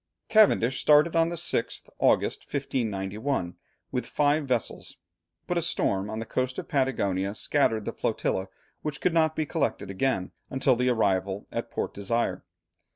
Cavendish started on the 6th August, 1591, with five vessels, but a storm on the coast of Patagonia scattered the flotilla, which could not be collected again until the arrival at Port Desire.